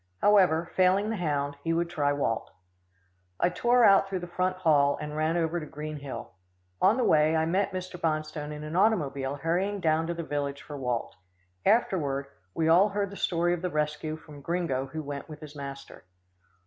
However, failing the hound, he would try Walt. I tore out through the front hall, and ran over to Green Hill. On the way I met Mr. Bonstone in an automobile hurrying down to the village for Walt. Afterward, we all heard the story of the rescue from Gringo who went with his master.